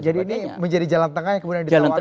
ini menjadi jalan tengah yang kemudian ditawarkan